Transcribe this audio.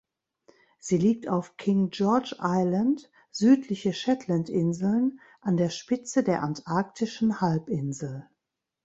Sie liegt auf King George Island, Südliche Shetlandinseln, an der Spitze der Antarktischen Halbinsel.